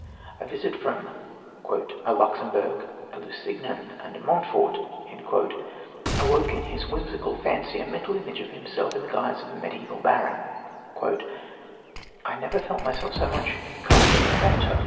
A visit from "a Luxembourg, a Lusignan and a Montfort" awoke in his whimsical fancy a mental image of himself in the guise of a mediaeval baron: "I never felt myself so much in The Castle of Otranto.